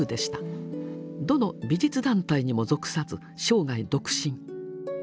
どの美術団体にも属さず生涯独身。